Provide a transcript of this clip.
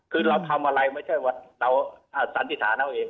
คือเราทำอะไรไม่ใช่ว่าเราสันนิษฐานเอาเอง